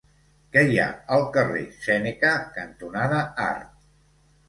Què hi ha al carrer Sèneca cantonada Art?